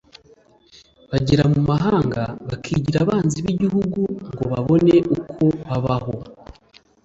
bagera mu mahanga bakigira abanzi b’igihugu ngo babone uko babaho